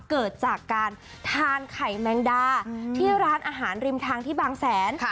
เกิดจากการทานไข่แมงดาที่ร้านอาหารริมทางที่บางแสน